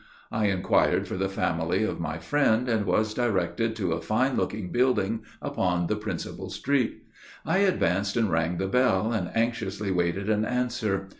I inquired for the family of my friend, and was directed to a fine looking building upon the principal street. I advanced and rang the bell, and anxiously waited an answer.